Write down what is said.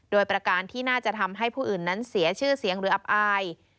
โดยประการที่น่าจะทำให้ผู้อื่นนั้นเสียชื่อเสียงหรืออับอาย